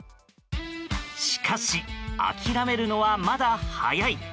しかし諦めるのは、まだ早い。